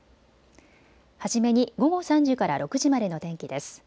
初めに午後３時から６時までの天気です。